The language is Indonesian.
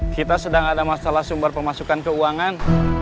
kita sedang ada masalah sumber pemasukan keuangan